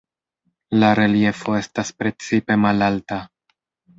La "reliefo" estas precipe malalta.